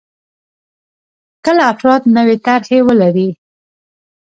کله افراد نوې طرحې ولري.